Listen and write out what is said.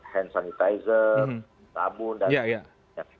hand sanitizer sabun dan lain lain